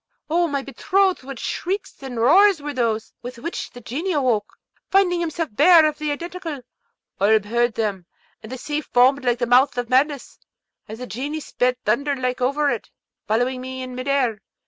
O my betrothed, what shrieks and roars were those: with which the Genie awoke, finding himself bare of the Identical! Oolb heard them, and the sea foamed like the mouth of madness, as the Genie sped thunder like over it, following me in mid air.